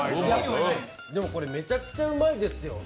これ、めちゃくちゃうまいです。